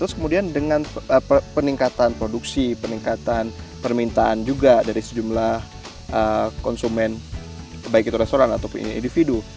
kemudian dengan peningkatan produksi peningkatan permintaan juga dari sejumlah konsumen baik itu restoran ataupun individu